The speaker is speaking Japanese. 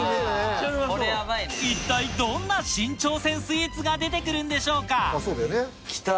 一体どんな新挑戦スイーツが出て来るんでしょうか？